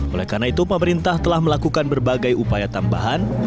oleh karena itu pemerintah telah melakukan berbagai upaya tambahan